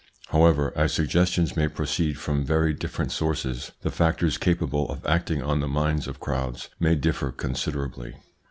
However, as suggestions may proceed from very different sources, the factors capable of acting on the minds of crowds may differ considerably.